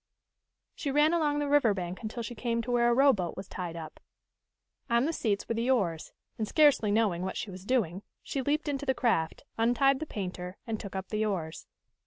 She ran along the river bank until she came to where a rowboat was tied up. On the seats were the oars, and, scarcely knowing what she was doing, she leaped into the craft, untied the painter, and took up the oars.